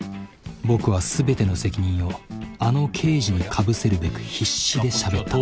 僕は全ての責任をあの刑事にかぶせるべく必死でしゃべった。